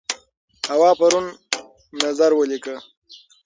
هوا پرون نظر ولیکه.